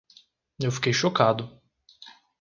Eu fiquei chocado.